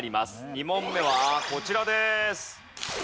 ２問目はこちらです。